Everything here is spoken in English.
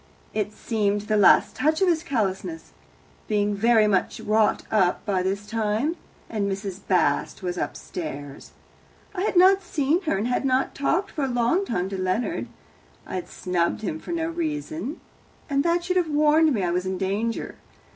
It seemed the last touch of his callousness. Being very much wrought up by this time and Mrs. Bast was upstairs. I had not seen her, and had talked for a long time to Leonard I had snubbed him for no reason, and that should have warned me I was in danger.